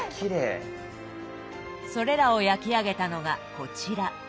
それらを焼き上げたのがこちら。